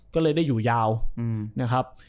ก็เลยได้อยู่ยาวนะครับ